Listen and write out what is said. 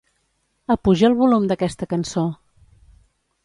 Apuja el volum d'aquesta cançó.